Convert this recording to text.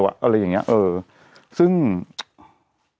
เราก็มีความหวังอะ